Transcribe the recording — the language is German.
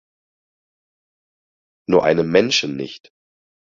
Nur einem Menschen nicht.